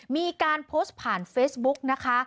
มีการโพสต์ผ่านเฟซบุ๊กนะคะ